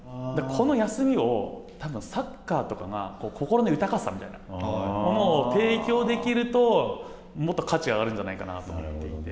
この休みをサッカーとかが、心の豊かさみたいなものを提供できると、もっと価値が上がるんじゃないかと思っていて。